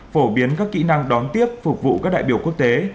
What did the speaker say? phổ biến các kỹ năng đón tiếp phục vụ các đại biểu quốc tế